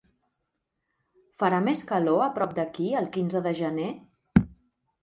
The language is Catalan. Farà més calor a prop d'aquí el quinze de gener?